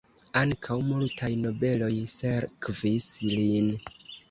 Ankaŭ multaj nobeloj sekvis lin.